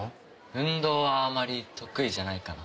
運動はあまり得意じゃないかな。